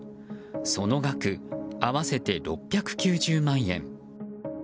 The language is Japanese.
その額、合わせて６９０万円。